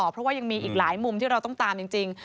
เพราะว่ายังมีอีกหลายมุมที่เราต้องตามจริง